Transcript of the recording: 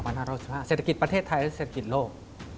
ปี๒๐๑๕เศรษฐกิจประเทศไทยหรือเศรษฐกิจโลก